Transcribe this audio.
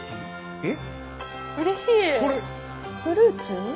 えっ？